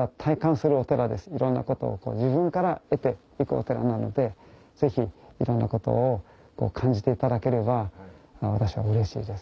いろんなことを自分から得ていくお寺なのでぜひいろんなことを感じていただければ私はうれしいです。